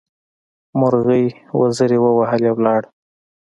مرغۍ وزرې ووهلې؛ ولاړه.